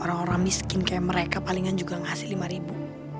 orang orang miskin kayak mereka palingan juga ngasih lima ribu